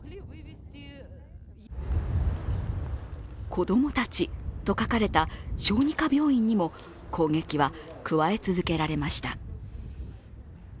「子供たち」と書かれた小児科病院にも攻撃は加え続けられました。